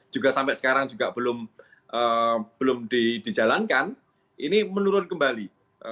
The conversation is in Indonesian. juga sampai sekarang juga belum dijalankan ini menurun kembali